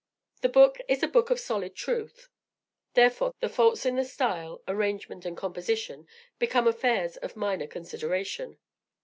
The book is a book of solid truth; therefore, the faults in the style, arrangement and composition, become affairs of minor consideration.